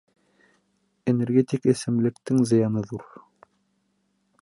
Энергетик эсемлектең зыяны ҙур